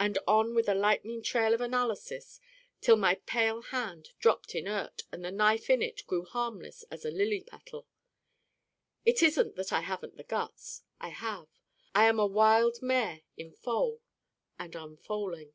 And on with a lightning trail of analysis till my pale hand dropped inert and the knife in it grew harmless as a lily petal. It isn't that I haven't the guts. I have. I am a wild mare in foal: and unfoaling.